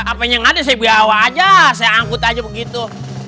apanya nggak ada saya bawa aja saya angkut aja begitu